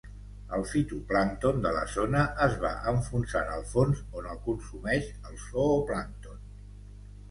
El fitoplàncton de la zona es va enfonsant al fons on el consumeix el zooplàncton.